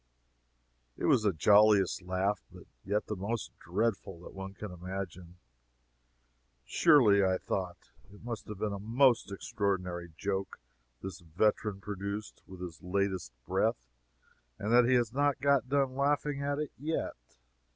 It was the jolliest laugh, but yet the most dreadful, that one can imagine. Surely, I thought, it must have been a most extraordinary joke this veteran produced with his latest breath, that he has not got done laughing at it yet.